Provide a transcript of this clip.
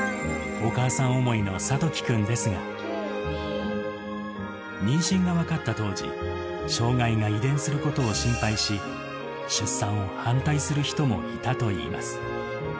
お母さん想いの諭樹君ですが、妊娠が分かった当時、障がいが遺伝することを心配し、出産を反対する人もいたといいます。